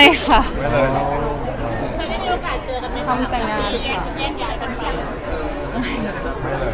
บอกว่าไม่ได้อะ